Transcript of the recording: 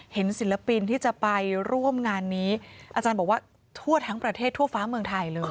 ศิลปินที่จะไปร่วมงานนี้อาจารย์บอกว่าทั่วทั้งประเทศทั่วฟ้าเมืองไทยเลย